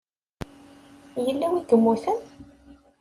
yella win i yemmuten?